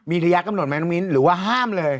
มีระยะกำหนดไหมน้องมิ้นหรือว่าห้ามเลย